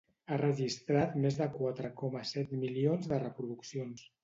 Ha registrat més de quatre coma set milions de reproduccions.